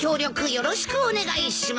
よろしくお願いします。